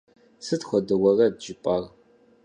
Сыт хуэдэ уэрэд жыпӀар?